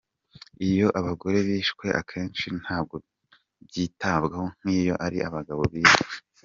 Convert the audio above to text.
Iyo abagore bishwe akenshi ntabwo byitabwaho nk’iyo ari abagabo bishwe.